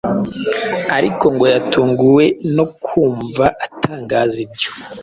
ariko ngo yatunguwe no kumva atangaza ibyo